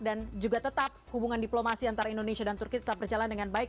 dan juga tetap hubungan diplomasi antara indonesia dan turki tetap berjalan dengan baik